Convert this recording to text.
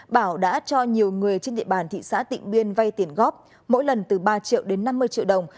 bảo đã cho nhiều người trên địa bàn thị xã tịnh biên vay tiền góp mỗi lần từ ba triệu đến năm mươi triệu đồng